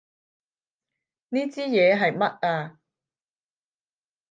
呢支嘢係乜啊？